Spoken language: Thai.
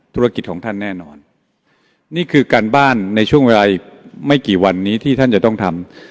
ธุรกิจของท่านแน่นอนนี่คือการบ้านในช่วงเวลาอีกไม่กี่วันนี้ที่ท่านจะต้องทำ